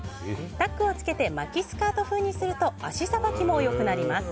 タックをつけて巻きスカート風にすると足さばきも良くなります。